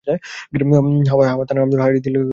হাওয়া তার নাম আবদুল হারিছ রেখে দিলে সে বেঁচে যায়।